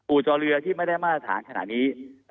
จอเรือที่ไม่ได้มาตรฐานขนาดนี้